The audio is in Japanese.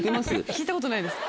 聞いたことないです。